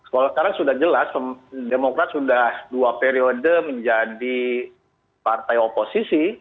kalau sekarang sudah jelas demokrat sudah dua periode menjadi partai oposisi